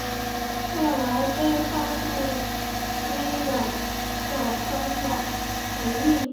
后来被放入微软的官方回应。